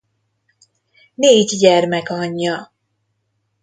Négy gyermek anyja.